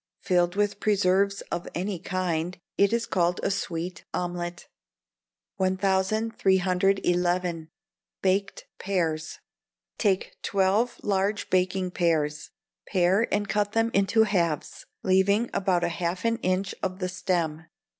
Filled with preserves of any kind, it is called a sweet omelette." 1311. Baked Pears. Take twelve large baking pears; pare and cut them into halves, leaving on about half an inch of the stem.